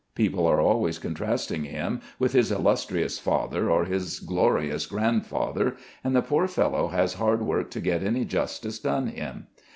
People are always contrasting him with his illustrious father or his glorious grandfather, and the poor fellow has hard work to get any justice done him.